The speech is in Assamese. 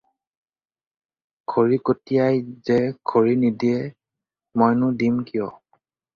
“খৰিকটীয়াই যে খৰি নিদিয়ে, মইনো দিম কিয়?”